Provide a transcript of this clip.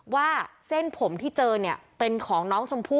เส้นผมที่เจอเนี่ยเป็นของน้องชมพู่